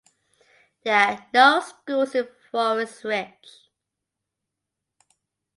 There are no schools in Forest Ridge.